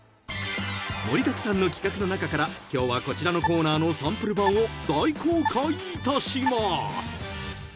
［盛りだくさんの企画の中から今日はこちらのコーナーのサンプル版を大公開いたします！］